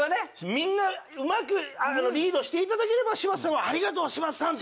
みんなうまくリードしていただければ柴田さんは「ありがとう！柴田さん」って。